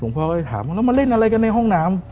หลวงพ่อก็ได้ถามว่าเรามาเล่นอะไรกันในห้องน้ำ